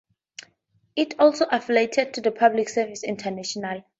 It also affiliated to the Public Services International.